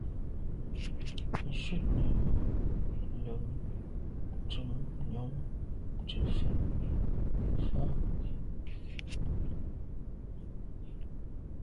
Shutnyàm lem ntùm njon dù’ fa fèn.